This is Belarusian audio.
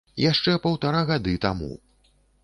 Яшчэ паўтара гады таму.